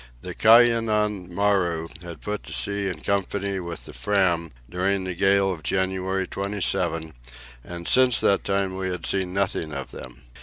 The Kainan Maru had put to sea in company with the Fram during the gale of January 27, and since that time we had seen nothing of them.